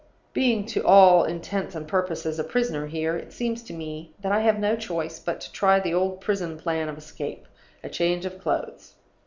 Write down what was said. "Being to all intents and purposes a prisoner here, it seems to me that I have no choice but to try the old prison plan of escape: a change of clothes.